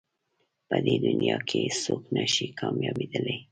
په دې دنیا کې هېڅ څوک نه شي کامیابېدلی.